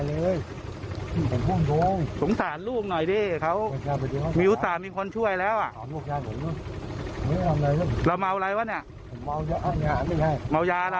เอาไปเลยพร้อม